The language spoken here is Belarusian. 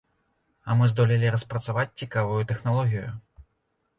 А мы здолелі распрацаваць цікавую тэхналогію.